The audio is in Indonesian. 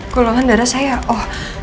golongan darah saya o